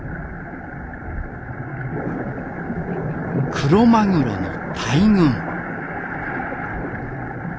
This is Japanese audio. クロマグロの大群。